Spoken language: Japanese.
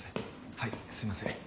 はいすみません。